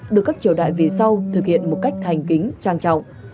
được các triều đại về sau thực hiện một cách thành kính trang trọng